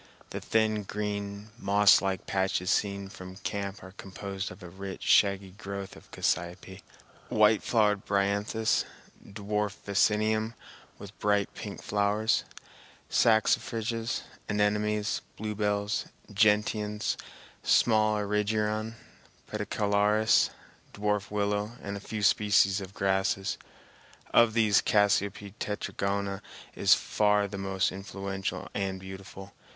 The thin, green, mosslike patches seen from camp are composed of a rich, shaggy growth of cassiope, white flowered bryanthus, dwarf vaccinium with bright pink flowers, saxifrages, anemones, bluebells, gentians, small erigeron, pedicularis, dwarf willow and a few species of grasses. Of these, Cassiope tetragona is far the most influential and beautiful.